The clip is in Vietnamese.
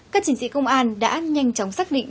các chiến sĩ công an đã nhanh chóng xác định